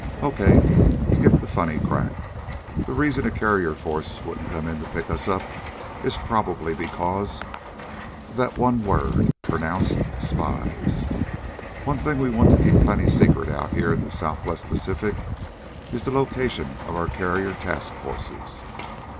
Okay, skip the funny crack. The reason a carrier force wouldn't come in to pick us up is probably because of that one word pronounced spies! One thing we want to keep plenty secret out here in the Southwest Pacific is the location of our carrier task forces.